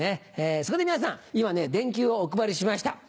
そこで皆さん今電球をお配りしました。